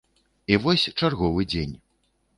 І вось чарговы дзень.